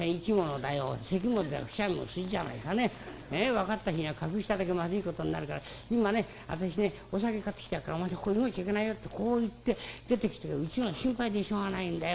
分かった日には隠しただけまずいことになるから『今ね私ねお酒買ってきてあげるからお前さんここ動いちゃいけないよ』ってこう言って出てきたからうちのが心配でしょうがないんだよ。